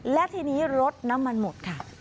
และทีนี้รถน้ำมันหมดค่ะ